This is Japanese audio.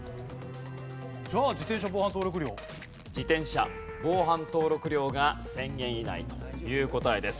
自転車防犯登録料が１０００円以内という答えです。